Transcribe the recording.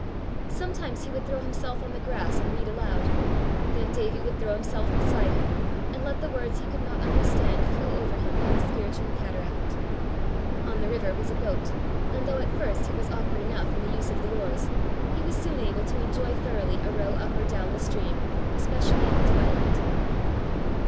Sometimes he would thrown himself on the grass and read aloud; then Davie would throw himself beside him, and let the words he could not understand flow over him in a spiritual cataract. On the river was a boat, and though at first he was awkward enough in the use of the oars, he was soon able to enjoy thoroughly a row up or down the stream, especially in the twilight.